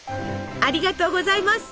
ありがとうございます！